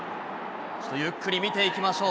ゆっくり見ていきましょう。